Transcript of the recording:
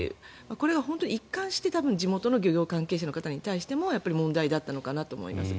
これが本当に一貫して地元の漁業関係者の方に対しても問題だったんじゃないかなと思います。